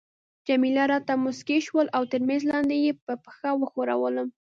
جميله راته مسکی شول او تر میز لاندي يې په پښه وښورولم.